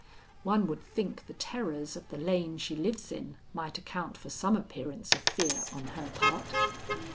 "One would think the terrors of the lane she lives in might account for some appearance of fear on her part."